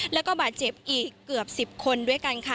แล้วก็บาดเจ็บอีกเกือบ๑๐คนด้วยกันค่ะ